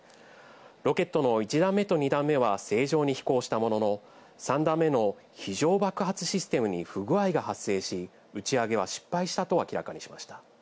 ロケットの１段目と２段目は正常に飛行したものの、３段目の非常爆発システムに不具合が発生し、打ち上げは失敗したと明らかにしました。